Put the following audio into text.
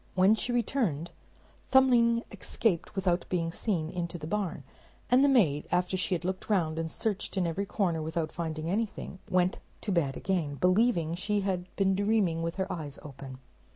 When she returned, Thumbling escaped without being seen into the barn, and the maid, after she had looked round and searched in every corner, without finding anything, went to bed again, believing she had been dreaming with her eyes open.